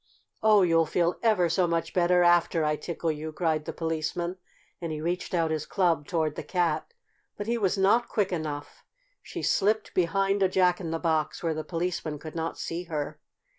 "Oh, you'll feel ever so much better after I tickle you!" cried the Policeman, and he reached out his club toward the Cat. But he was not quick enough. She slipped behind a Jack in the Box, where the Policeman could not see her.